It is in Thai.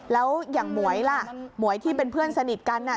แล้วอย่างหมวยล่ะหมวยที่เป็นเพื่อนสนิทกันน่ะ